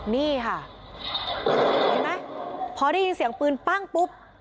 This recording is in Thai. นี่ค่ะเห็นไหมพอได้ยินเสียงปืนปั้งปุ๊บ